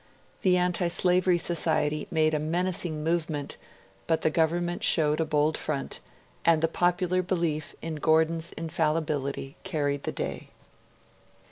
The Anti Slavery Society made a menacing movement, but the Government showed a bold front, and the popular belief in Gordon's infallibility carried the day.